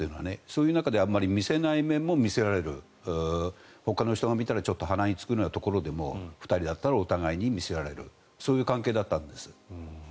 そういう中であまり見せない面も見せられるほかの人が見たら、ちょっと鼻につくようなところでも２人だったらお互いに見せられるそういう関係だったんです。